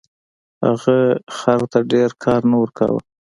هغه خر ته ډیر کار نه ورکاوه.